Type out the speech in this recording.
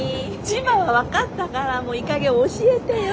千葉は分かったからもういいかげん教えてよ。